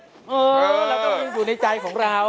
เราก็อยู่ในใจของเรา